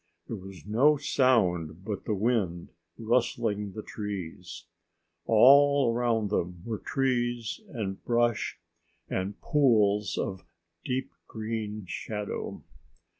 There was no sound but the wind rustling the trees. All around them were trees and brush and pools of deep green shadow.